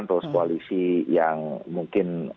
terus koalisi yang mungkin